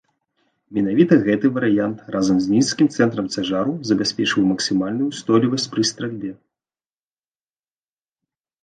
Менавіта гэты варыянт, разам з нізкім цэнтрам цяжару забяспечваў максімальную ўстойлівасць пры стральбе.